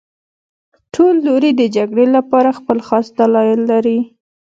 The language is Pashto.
ټول لوري د جګړې لپاره خپل خاص دلایل لري